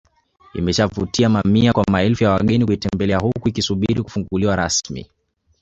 Imeshavutia mamia kwa maelfu ya wageni kuitembelea huku ikisubiri kufunguliwa rasmi